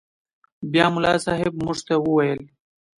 بيا ملا صاحب موږ ته وويل.